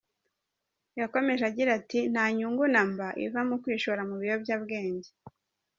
Yakomeje agira ati “Nta nyungu na mba iva mu kwishora mu biyobyabwenge.